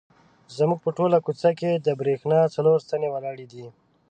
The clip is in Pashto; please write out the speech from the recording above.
زموږ په ټوله کوڅه کې د برېښنا څلور ستنې ولاړې دي.